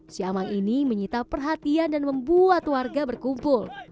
siamang ini menyita perhatian dan membuat warga berkumpul